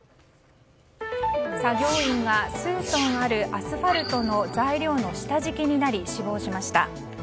作業員が数トンあるアスファルトの材料の下敷きになり死亡しました。